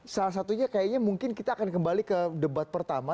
salah satunya kayaknya mungkin kita akan kembali ke debat pertama